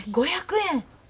１，５００円？